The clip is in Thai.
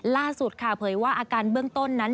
ล่าสุดค่ะเผยว่าอาการเบื้องต้นนั้น